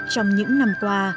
trong những năm qua